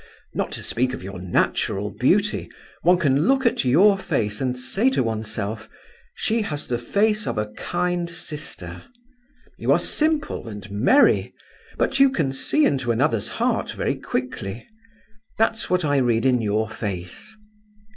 Not to speak of your natural beauty, one can look at your face and say to one's self, 'She has the face of a kind sister.' You are simple and merry, but you can see into another's heart very quickly. That's what I read in your face.